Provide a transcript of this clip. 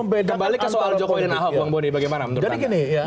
bagaimana kita membedakan antara politik